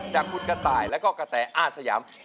จากคุณกระต่ายแล้วก็กระแตอาสยาม